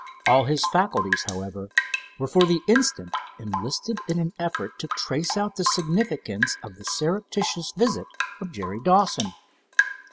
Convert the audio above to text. All his faculties, however, were for the instant enlisted in an effort to trace out the significance of the surreptitious visit of Jerry Dawson.